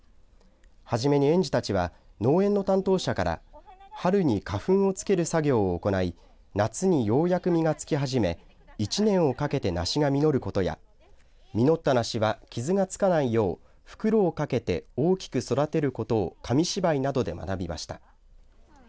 はじめに園児たちは農園の担当者から春に花粉をつける作業を行い夏にようやく実がつき始め１年をかけて梨が実ることや、実った梨は傷がつかないよう、袋をかけて大きく育てることを紙芝居などで学びました。